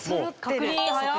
確認早っ。